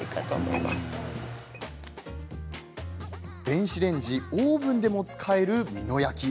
電子レンジ、オーブンでも使える美濃焼。